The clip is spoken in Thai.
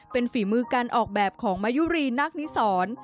เป็นฝีมือการออกแบบของมายุรีนาคนิสร